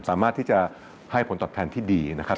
สามารถที่จะให้ผลตอบแทนที่ดีนะครับ